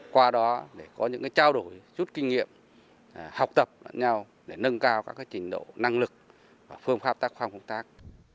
qua đó để có những trao đổi chút kinh nghiệm học tập với nhau để nâng cao các trình độ năng lực và phương pháp tác phong công tác